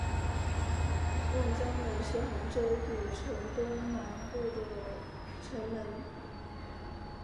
望江门是杭州古城东南部的城门。